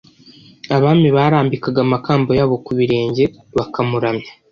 Abami barambikaga amakamba yabo ku birenge bakamuramya.